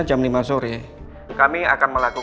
saya sudah berhari hari di binum setengah